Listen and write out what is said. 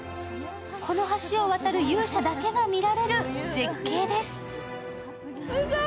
この橋を渡る勇者だけが見られる絶景です。